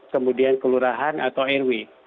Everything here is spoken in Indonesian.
kemudian kelurahan atau airway